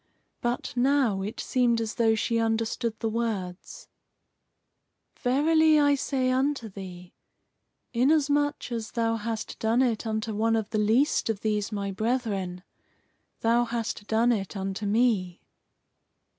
But now it seemed as though she understood the words: "Verily I say unto thee, Inasmuch as thou hast done it unto one of the least of these my brethren, thou hast done it unto me."